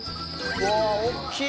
うわぁ大きい！